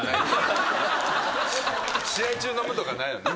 試合中飲むとかないよね。